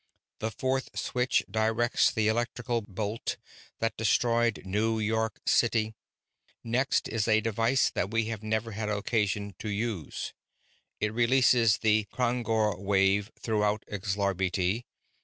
The fourth switch directs the electrical bolt that destroyed New York City. Next it is a device that we have never had occasion to use. It releases the Krangor wave throughout Xlarbti.